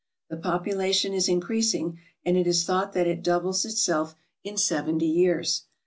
The population is increasing, and it is thought that it doubles itself in seventy years.